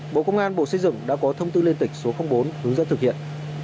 bộ công an bộ xây dựng đã có thông tư liên tịch số bốn hướng dẫn thực hiện